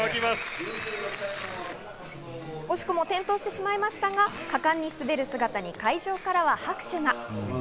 惜しくも転倒してしまいましたが、果敢に滑る姿に会場からは拍手が。